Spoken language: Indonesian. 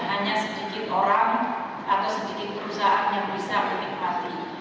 hanya sedikit orang atau sedikit perusahaan yang bisa menikmati